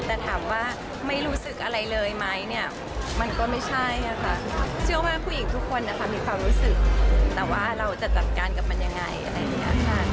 แต่ถามว่าไม่รู้สึกอะไรเลยไหมเนี่ยมันก็ไม่ใช่ค่ะเชื่อว่าผู้หญิงทุกคนนะคะมีความรู้สึกแต่ว่าเราจะจัดการกับมันยังไงอะไรอย่างนี้ค่ะ